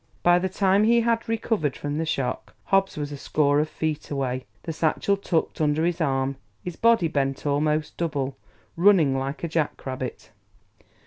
By the time he had recovered from the shock, Hobbs was a score of feet away, the satchel tucked under his arm, his body bent almost double, running like a jack rabbit.